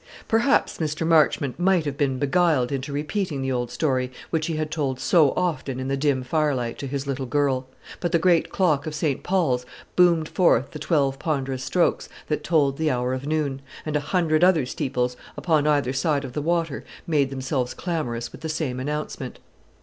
Perhaps Mr. Marchmont might have been beguiled into repeating the old story, which he had told so often in the dim firelight to his little girl; but the great clock of St. Paul's boomed forth the twelve ponderous strokes that told the hour of noon, and a hundred other steeples upon either side of the water made themselves clamorous with the same announcement.